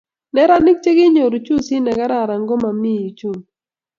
nerarajik che kinyoru uchusit ne kararan ko mo komii uchumi